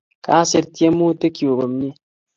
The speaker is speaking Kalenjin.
Kasir tyemutik chuk komnye